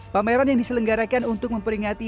pameran yang diselenggarakan untuk memperingati